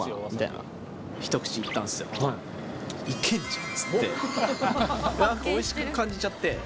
なんかおいしく感じちゃって。